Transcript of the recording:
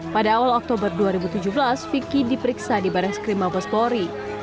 pada awal oktober dua ribu tujuh belas vicky diperiksa di barang skrim abas polri